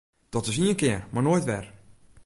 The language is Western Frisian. Dat is ien kear mar noait wer!